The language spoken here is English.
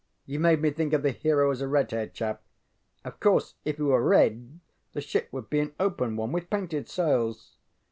You made me think of the hero as a red haired chap. Of course if he were red, the ship would be an open one with painted sails.